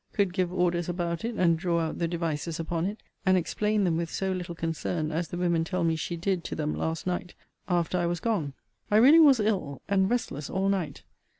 could give orders about it, and draw out the devices upon it, and explain them with so little concern as the women tell me she did to them last night after I was gone. I really was ill, and restless all night.